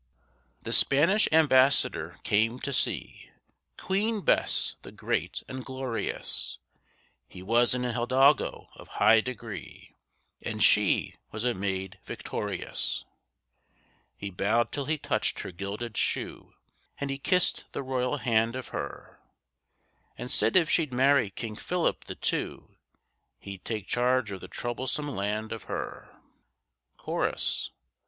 THE Spanish ambassador came to see Queen Bess, the great and glorious; He was an hidalgo of high degree, And she was a maid victorious. He bowed till he touched her gilded shoe, And he kissed the royal hand of her, And said if she'd marry King Philip the Two, He'd take charge of the troublesome land of her. _Chorus.